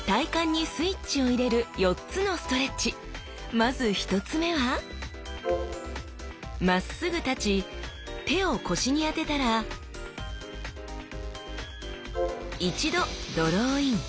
まず１つ目はまっすぐ立ち手を腰に当てたら一度ドローイン。